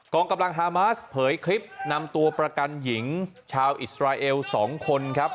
องกำลังฮามาสเผยคลิปนำตัวประกันหญิงชาวอิสราเอล๒คนครับ